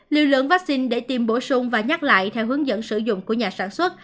liều lượng vaccine để tiêm bổ sung và nhắc lại theo hướng dẫn sử dụng của nhà sản xuất